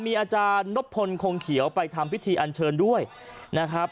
มีอาจารย์นบพลคงเขียวไปทำพิธีอันเชิญด้วยนะครับ